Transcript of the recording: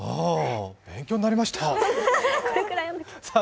勉強になりました。